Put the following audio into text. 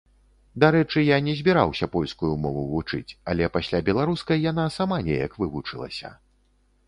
Дарэчы, я не збіраўся польскую мову вучыць, але пасля беларускай яна сама неяк вывучылася.